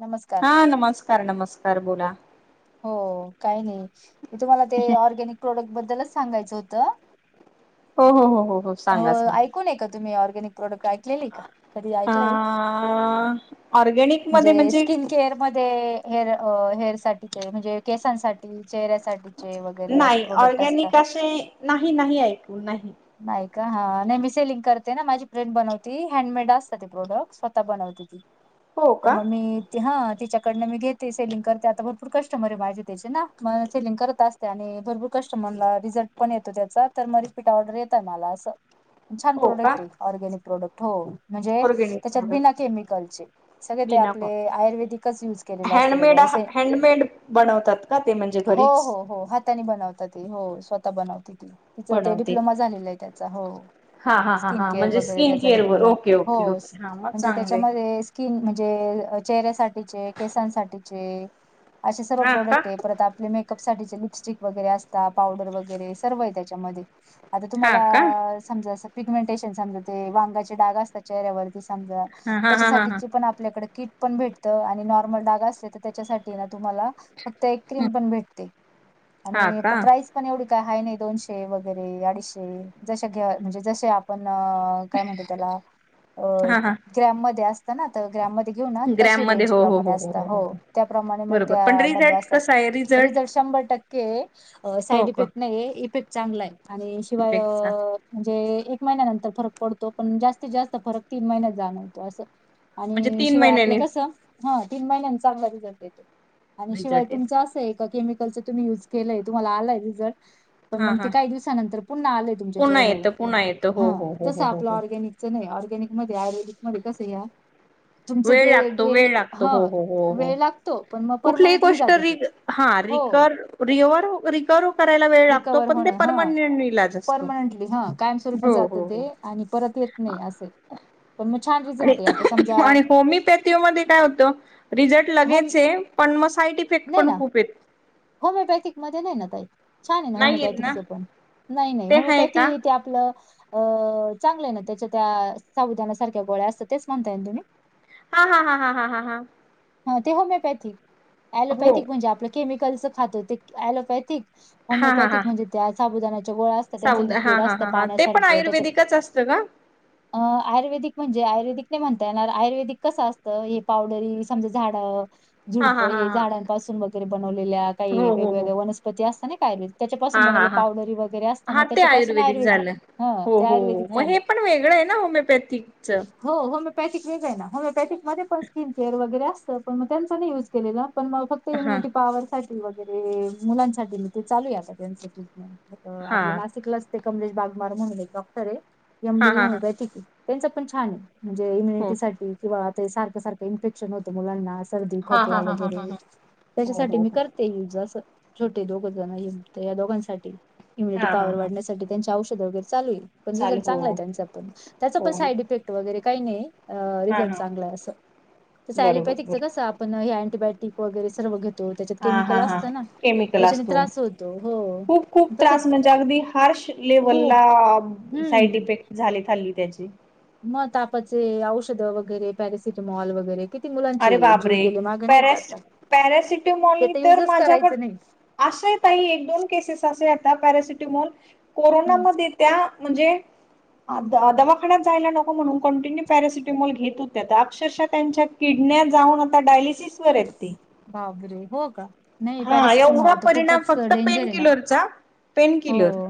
नमस्कार हा नमस्कार नमस्कार बोला हो काही नाहीी तुम्हाला ते ऑर्गॅनिक प्रोडक्ट बद्दलच सांगायचं होतं हो हो हो हो हो सांगा हो सांगा. ऐकून आहे का तुम्ही ऑरर्गॅनिक? प्रोडक्ट ऐकलेली का? कधी अ ऐकलय ऑर्गॅनिक मध्ये म्हणजे स्किन केअर मध्ये हेर हेर साठीचे ते म्हणजे केसांसाठी चेहऱ्यासाठी नाही ऑरर्गॅनिक अशे नाही नाही ऐकू नाही नाही का हा नाही मी सेलिंग करते ना माझी फ्रेंड बनवती हँडमेड असतात ती प्रोडक्ट स्वतः बनवते हो तर का? मंग मी हा तीच्याकडनं मी घेते सेलिंग करते आता भरपूर कस्टमर आहे माझे त्याचे ना म सेलिंग करत असते. त्या आणि भरपूर कस्टमरला रिझल्ट पण येतो त्याचा तर मग रिपीट ऑर्डर येत मला असं छान हो का प्रोडक्ट आहे ऑर्गॅनिक प्रोडक्ट हो म्हणजे ऑर्गॅनिक त्याच्यात प्रोडक्ट बिना केमिकलचे सगळे ते बिना आपले प आयुर्वेदिकच युज हाताने च हँडमेड केलेल हँडमेड बनवतात का ते म्हणजे हो घरीच ही हो बनव हो स्वतः बनव त ति ते बनवते. डिप्लोमा झाली त्याचा हो हा हा हा स्किन हा केअर म्हणजे वगैरे स्किन त्याचा केअर वर डिप्लोमा ओके हो ओके ओके हा मग म्हणजे त्याच्या चांगले. मध्ये स्किन म्हणजे चेहऱ्यासाठीचे केसांसाठीचे असे सर्व हा का प्रोडक्ट आहे परत आपले मे कप साठीचे लिपस्टिक वगैरे असत पावडर वगैरे सर्व आहे त्याच्यामध्ये आता हा तुम्हाला का समजा असं पिग्मेंटेशन समजा ते वांग डाग असत चेह्यावरती सा हा हा हा हा हा. त्याच्यासाठी पण आपल्याकडे कि पण भेटत आणि नॉर्मल डाग असले तर त्याच्यासाठी ना तुम्हाला फक्त एक क्रीम पण भेटते हा आणि का प्राईस पण एवढी काय हाय नाही दोनशे वगैरे अडीचशे ज घे म्हणजे जसे आपण अ काय म्हणत त्याला अ हा हा ग्रॅममध्येध्ये असत ना तर ग्राममध्ये घेऊ ना तशी रेंज प्रमाणे असतात हो त्याप्रमाणे मग बरोबर पण त्या डब्या रिझल्ट असतात कसा आहे रिझल्ट शंभर टक्के हो साईड का इफेक्ट नाही इफेक्ट चांगला आहे आणि शिवाय इफेक्टचा म्हणजे एक महिन्यानंतर फरक पडतो पण जास्तीत जास्त फरक तीन महिन्यात जाणवतो असं म्हणजे आणि तीन शिवाय आपलं महिन्यानी कसं हा तीन महिन्यां चांगला रिझल्ट देतो आणि शिवाय रिझल्ट तुमचं येत असं केम ण काव हा हा आ पुन्हा येतं पुन्हा येतं हो हो हो हो तच्या हो हो चे्या निक मध्ये आयुर्िक म कं या तुमचं वेळ ते लागतो गेल वेळ लागतो ह हो हो हो हो वेळ लागतो पण मग कुठलीही परमनंटली गोष्ट जात रि ते हा हो रिक रि रिकर करायला वेळ लागतो रिकवर पण होणं हा परनंट इ असतो परमनंटली हा कायमस्वरूपी जातं ते आणि परत येत नाही असे पण मछान आणि आणि होमिओपॅथी मध्ये काय होतं रिझल्ट होम लगेच पण म सायट फेट नाही ना पण खूपेत होमिओपॅथिक मध्ये नाही ना छान आहे ना नाही येत होमिओपॅथिक ना च पण नाही नाही ते आहे का होमिओपॅथी ते आप चांगलं ना त्याच्या त्या साधना सारख्या गोळ्या असत तेच म्हणता ये तुम्ही हा हा हा ह हा हा हा ह ते होमिओपॅथिक हो लोपॅथिक म्हणजे आपलं केमिकलच खातो ते लोपॅथिक हा हा होमिओपॅथिक हा म्हणज त्या साबुदानाच्या गोळा त्यांचं साऊद हा लिक्विड हा असतं हा हा ते पण पाण्यासारखं त्याच्यात आयुर्वेदिकच असतं का? आयुर्वेदिक म्हणजे आयुर्वेदिक नाही म्हणता येणार आयुर्वेदिक कसं असतं हे पावडरी समज झाड हा झुडप हा हा हे हा झाडांपासून वगैरे बनवलेल्या काही हो हो हो वेगवेगळ्या व ते असता नाही काय र हा त्याच्यापासून बनवले हा हा पावडरी वगैरे असताना हा ते त्याच्यापासून आयुर्वेदिक झालं. ह हो ते हो हो आयुर्वेदिक मग हे झालं पण वेगळं आहे ना होमिओपॅथिक च होमिपथ वेगं ना होमिोपॅथिक मध्ये पणकिन केअर वैरे अस प मग त्यांच नाही यज केले पणग फक्त हा इम्युनिटी पॉवर वगैरे मुलांसाठी ते चालू आहे का त्यां हा आप नाशिकला ते कमलेश बागमार म्हण एक डॉक्टर आहे एम हा डी हा होल हा बैठकी त्यांच पण छान आहे म्हणजे हो इम्युनिटी साठी किंवा ते सारखं सारखं इन्फेक्शन होतं मुलांना सर्दी हा खोकला हा हा हा हा वगैरे हा हो त्याच्यासाठी हो मी हो करते युज अस छोटे दोघ जण युक्त या दोघांसाठी इम्युनिटी हा हा पॉवर हा वाढण्यासाठीच्या औषध वगैरे चालू आहेल पण चालू रिझल्ट हो चांगला आहे त्यांचा पण त्याच पण हो साईड इफेक्ट वगैरे काही नाही हा रिझल्ट हा चांगलं आहे असं तस बरोबर लोपॅथिक चं बरोबर कं आपण हे अँटीबायोटिक वगैरे सर्व घेत हा हा हा केमिकल अस असतो त्रास होतो हो खूप खूप तसं त्रास म्हणजे अगदी हार लेव्हलला खूप साइड हम्म. इफेक्ट झाले ली त्याचे मग तापाचे औषध वगैरे पॅरेसिटमॉल वगैरे मुलांचे अरे जीव बाबरे गेले मागं नाही का पॅरस आता. ते पॅरासिटेमॉल तर युजच माझ्याकड करायचं नाही असे काही एक दोन केसेस असे यता पॅरासिटीमोल हम्म कोरोनामध्ये त्या म्हणजे हम्म दमा आकडात जायला नको म्हणून कॉंटिन्यू पॅरसिटमॉल घेत होत्या तर अक्षरश त्यांच्या किडण्या जाऊन आता डायलिसिस वर आहेत ते बाबरे हो का नाही हा एवढा पॅरासिटामॉल तर परिणाम खूपच फक्त डेंजर आहे ना पेनकिलरचा पेनकिलर हो.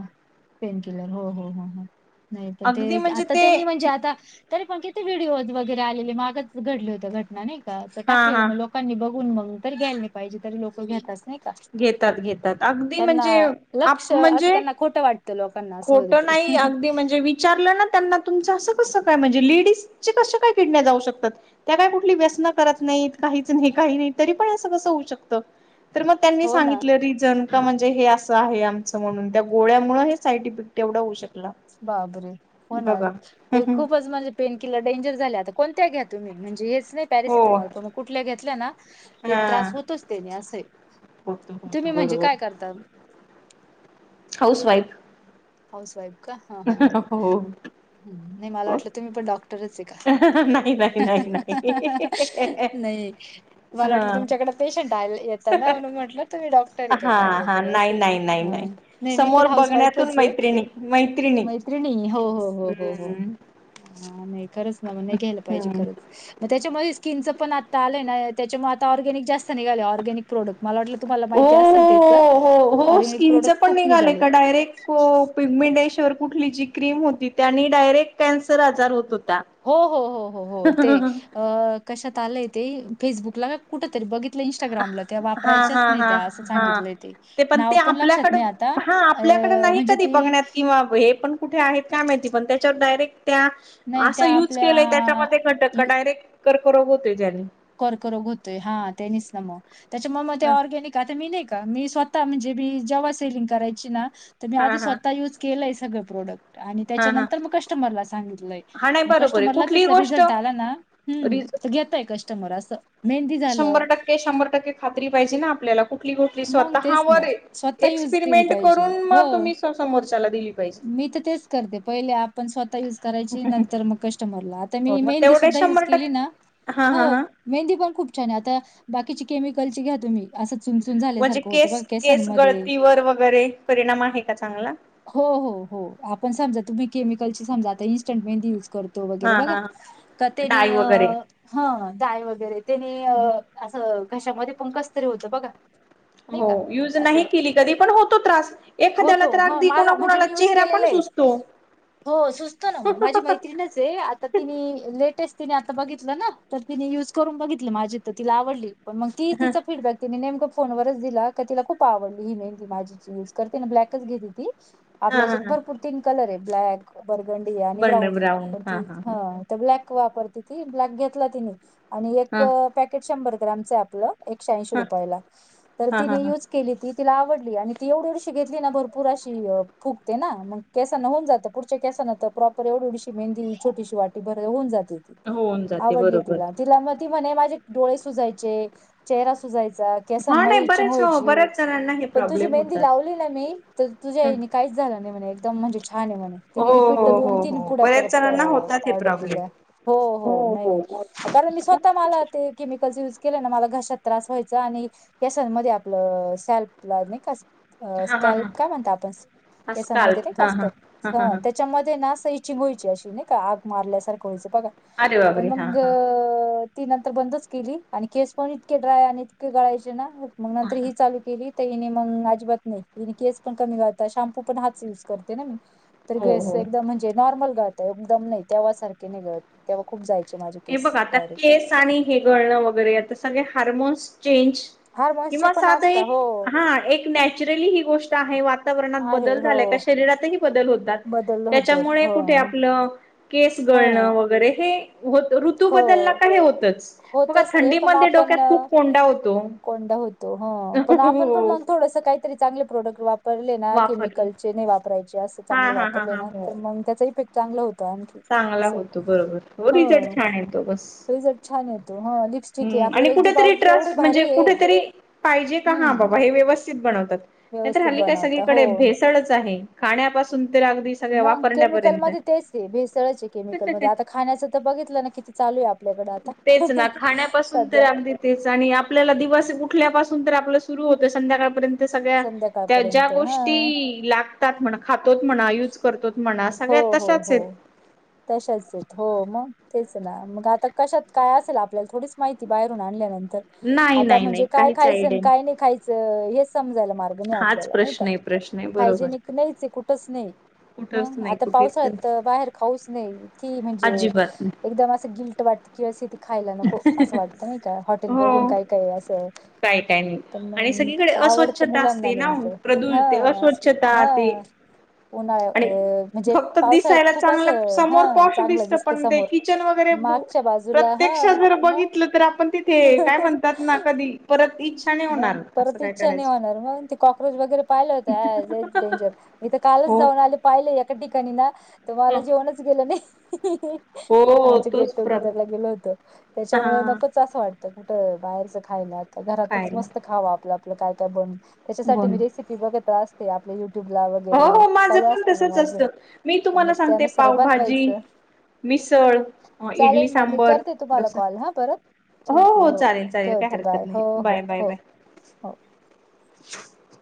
पेन किलर हो हो हो हो नाही पण ते अगदी म्हणजे आता ते त्यांनी म्हणजे आता तरी पग तिे व्हिडिओज वगैरे आलेले म मागच घडले हों घटना नाही का हा टाकलेलं हा मग लोकांनी बघून बघून तर ग्यायला नाही पाहिजे तरी लक घ नाही का घेतात घेतात अगदी त्यांना म्हणजे लक्ष आप असं म्हणजे त्यांना खोटं वाटतं लोकांना असं होत खोटं ते नाही अगदी म्हणजे विचारलं ना त्यांना तुमच असं कस काय म्हणजे, लेडीज चे कस काय किडण्या जाऊ शकतात. त्या काय कुठली व्यसन करत नाहीत, काहीच नाही काही नाही, तरी पण असं कसं होऊ शकत. तर मग त्यांनी हो ना सांगितलं रिझन का म्हणजे हे असं आहे आमचं म्हणून त्या गोळ्यामुळे हे साईड इफेक्ट तेवढा होऊ शकला. बाबरे! होणार बघा ते खूपच म्हणजे, पेनकिलर डेंजर झाल्या आता कोणत्या घ्या तुम्ही म्हणजे हेच नाही हो पॅरसिटमॉल पण कुठल्या घेतल्या ना ते हा त्रास होतोच त्यानी असंय. होतो तुम्ही होतो म्हणजे बरोबर काय करता? हाऊसवाईफ. हाऊसवाईफ. [inaudible] हो. हम्म नाही मला वाटलं तुम्ही पण डॉक्टरचये का? नाही [inaudible] नाही नाही नाही नाही मला वाटलं हा तुमच्याकडे पेशंट आल- येत त-म्हणून म्हटलं तुम्ही डॉक्टर आहे का हा काय हा वगैरे नाही असं, नाही नाही नाही हं-हं नाही मी पण हाऊसवाईफच आहे. मै मैत्रिणी हो- हो- हो- हो- हो हा नाही खरंच ना म्हण नाही घ्यायला पाहिजे हम्म खरंच. मग त्याच्यामध्ये स्किनचं पण आत्ता आलंय नाही त्याच्यामुळे आता ऑरगॅनिक जास्त निघालेय ऑरगॅनिक. प्रोडक्ट मला वाटलं तुम्हाला ओ माहिती असेल त्याच हो हो ऑरगॅनिक प्रोडक्ट खूप निघाले. पिगमिडेशवर कुठली जी क्रीम होती, त्यानी डायरेक्ट कॅन्सर आजार होत होता. हो -हो -हो -हो -हो ते अ कशात आलंय ते फेसबुकला. कुठ तरी बघितलं इंस्टाग्रामला त्या हा वापरायच्याच हा नाही हा त्या असं सांगितलंय ते नाव पण लक्षात नाही आ हा आपल्याकड नाही कधी बघण्यात किंवा हे पण कुठे आहेत काय माहिती पण त्याच्यात डायरेक्ट त्या नाही असं त्या युज आपल्या केलंय त्याच्यामध्ये घटक डायरेक्ट कर्करोग होतोय ज्यानी. कोर्करोग होतोय हा तेनीच ना मग त्याच्यामुळे मग ते ऑरगॅनिक का ते मी नाही का मी स्वतः म्हणजे मी जेव्हा सेलिंग करायची ना मी आध हा हा स्वतः यूज केलंय सगळं प्रोडक्ट आणि हा हा त्याच्यानंतर मग कस्टमरला सांगितलंय. हा नाही मग बरोबर आहे कस्टमरला कुठलीही त्याचा गोष्ट रिझल्ट आला ना, हम्म रिज तर घेतय कस्टमर असं. मेहंदी झालं शंभर टक्के- शंभर टक्के खात्री पाहिजे ना आपल्याला कुठली -कुठली मग तेच स्वतःवर ना स्वतः युज केली एक्सपेरिमेंट पाहिजे करून हो मग तुम्ही स-समोरच्याला दिली पाहिजे मी तर तेच करते, पहिले आप पण स्वतः युज करायची नंतर मग कस्टमरला आता हो मी मग मेहंदी तेवढे सुद्धा युज शंभर केली ना. टक्के हा हो -हा -हा. मेहंदी पण खूप छान आहे, आता बाकीची केमिकल ची घ्या तुम्ही असं चूनचून म्हणजे केस -केस गळतीवर वगैरे परिणाम आहे का चांगला? हो- हो- हो आपण समजा तुम्ही केमिकल ची समजा आता इन्स्टंट मेहंदी यूज करतो हा वगैरे बघा, हा का तेनी डाय वगैरे हा डाय वगैरे त्यानी असं घशामध्ये पण कस तरी होतं बघा. नाही हो का युज नाही असं केली कधी, पण होतो त्रास एखाद्याला होतो हा अगदी मला म्हणजे कोणाकोणाला मी युज चेहऱ्या पण केलेलं आहे सुज तो. हो सुचत ना मग माझी मैत्रीणच ए आता तिने लेटेस्ट तिने आता बघितलं ना तर तिने युज करून बघितलं माझी तर तिला आवडली. पण मग ती हा तिचा फीडबॅक तिने नेमकं फोनवरच दिला का तिला खूप आवडली ही मेहंदी माझी युज करते ना ब्लॅकच घेते ती. आपल्या हा हेच्यात हा भरपूर तीन कलर आहे ब्लॅक, बरगंडी आणि बर्नर ब्राऊन आहे पण हा ती हा ह ब्लॅक वापरते ती ब्लॅक घेतला तिने आणि एक हा पॅकेट शंभर ग्रॅमचाय आपलं. एकशे ऐंशी हा रुपयाला तर हा हा तिने हा युज केली ती तिला आवडली आणि ती एवढी- एवढशी घेतली ना भरपूर अशी फुकते ना मग. केसांना होऊन जातं पुढच्या केसांना तर प्रॉपर एवढ- एवढीशी मेहंदी छोटशी वाटीभर होऊन जात. होऊन जाते आवडली बरोबर. तला तिला म म्हणे माझे डोळे सुजायचे चेहरा सुजायचा. हा केसांमध्ये नाही हचिंग बरेच हो वयची बऱ्याच जणांना हे पण तुझी प्रॉब्लेम मेहंदी होतात. लावली ना मी तर तुझ्याई काहीच झालं नाही म्हणे एकदम म्हणजे छान आहे म्हणे. हो तिने हो रिपीट हो दोन तीन हो पुढ्या बऱ्याच परत जणांना होतात हे ऑर्डर प्रॉब्लेम. दिल्या हो हो नाही. कारण मी स्वतः मला ते केमिकल् युज केले ना मला घशात त्रास व्हायचा आणि या स मध्ये आपलं सॅल्प ला नाही का? अ हा हा स्कॅल्प हा काय म्हणत आपण हा केसांमध्ये नाही स्काल्प हा कास्त हा हा हा ह हा त्याच्यामध्ये ना. वयची अशी नाही का आग मारल्यासारख व्हायच बघा अरे पण बाबरे हा मग हा. ती नंतर बंदच केली आणि खेस पण इतके ड्राय आणि इतके गळायचे ना मग नंतर ही चालू केली. ने मग अजिबात नाहीने केस पण कमी गालता शॅम्पू पण हातच युज करते ना मी तर हो गस हो. एकदम म्हणजे नॉर्मल गळत आहे एकदम नाही तेवसारखे नाही गळत. तेव्हा खूप जायचे माझे हे केस बघ आता डायरेक्ट. केस आणि हे गळणं वगैरे सगळे हार्मोन्स चेंज हार्मोन्सचे किंवा पण साध असता एक हो हा एक न. नॅचरली ही गोष्ट आहे वातावरणात आहे बदल हो झालाय का शरीरातही बदल होत. बदललं होत त्याच्यामुळे हो कुठे आपलं. केस ह गळणं वगैरे हे होत ऋतू हो बदलला का हे होतच. बघा होतच ते पण थंडीमध्ये आपण डोक्यात खूप कोंडा होतो. कोंड होतो ह पण आपण पण हो मग थोडस काही तरी चांगले प्रोडक्ट वापरले ना वापरली केमिकलचे नाही वापरायचे असं हा चांगले हा हा वापरले हा ना हो. तर मग त्याचा इफेक्ट चांगलं होतं आण. चांगला होतो बरोबर हो रिझल्ट छान येतो बस. रिझल्ट छान येतो हा. हम् आणि कुठेतरी ट्रस्ट म्हणजे कुठेतरी पाहिजे का हा हम्म बाबा हे व्यवस्थित बनवतात. नाही तरर व्यवस्थित हल्ली काय बनवता हो सगळीकडे भेसळच आहे खाण्यापासून तर अगदी सगळ्या मग केमिकल वापरण्यापर्यंत. मध्ये तेच आहे भेसळच आहे केमिकलमध्येध्ये आता खाण्याच तर बघितलं ना किती चालू आहे आपल्याकडें आता तेेचना खा. खाण्यापासून तर सध्या अदी तेच आणि आपल्याला दिवस उठल्यापासून तर आपलं सुरू होतोय संध्याकाळपर्यंत सगळ्या त्या ज्या संध्याकाळपर्यंत हा गोष्टी ला. खात म्हणा खातोच म्हणा यूज करतोच म्हणा हो सगळ्यात हो तशाच आहेत. हो तशाच य हो मग तेच ना मग आता कशात काय असेल आपल्याला थोडीच माहिती बाहेरून आणल्यानंतर नाही आता नाही नाही म्हणजे काय काहीच खायचं आयडिया काय नाही खायचं हेच समजायला म् नाही आपल्या हाच नाही का प्रश्न आहे प्रश्न आहे हायजेनिक नाहीच कुठच नाही. कुठंच मग नाही. आता कुठेच पावसाळ्यात नाही तर बाहेर खाऊच नाहीी म्हणजे अजिबात नाही. एकदम असं गिल्ट वाट. किंवा असिती खायला नको असं वाटतं नाही का हॉटेल बघून हो. काय काय असं. काय काय नाही पण आणि म सगळीकडे का आवडतं अस्वच्छता मुलांना असते ना नेमकं प्रदू हा ते असं अस्वच्छता हा. ते उना आणि अ. म्हणजे फक्त पावसाळ्यात दिसायला खूप चांगलं असं हा समोर पॉश चांगलं दिसत दिसतं पण ते समोर. किचन वगैरे मागच्या बाजूला प्रत्यक्षात हा जर मग बघितलं तर आपण तिथे काय म्हणतात ना कधी परत इच्छा. नाही मग होणार असं परत काय इच्छा नाही करायचं होणार मग ते कॉक्रोच वगैरे पाहिलं होत्या डेंजर मी तर कालच हो जाऊन आले पाहिले एका ठिकाणी ना तर मला जेवणच गेलं नाही. हो आमच्या गेट तोच प्र टुगेदरला गेलो होत त्याच्यामुळे हा नको. असं वाटत कुठं बाहेरच खायला आ काय घरातच मस्त खावा आपलं आपलं काय काय बन त्याच्यासाठी बोल मी रेसिपी बघित असते आपले युट्यूब ला हो वगैरे हो माझं चालू पण असतं मग तसच माझं. मी मग तुम्हाला सांगते त्यानुसार पावभाजी बनवायचं. मिसळ इडली चालेल मग मी सांबर करते तुम्हाला डोसा कॉल हा परत ठीक आहे हो चालेल चालेल काय ठेवते हरकत बाय नाही हो हो बाय बाय हो बाय हो.